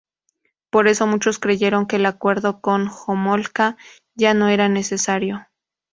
Por eso, muchos creyeron que el acuerdo con Homolka ya no era necesario.